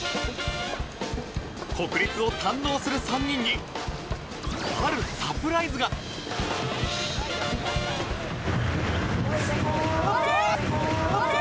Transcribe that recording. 国立を堪能する３人にあるサプライズがあれ！？